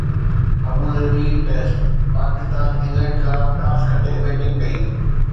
Abu Dhabi test: Pakistan England خلاف toss کٽي batting ڪئي